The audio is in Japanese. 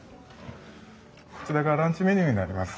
こちらがランチメニューになります。